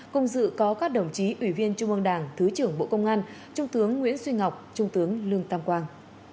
cùng dự có các đồng chí ủy viên trung ương đảng thứ trưởng bộ công an trung tướng nguyễn duy ngọc trung tướng lương tam quang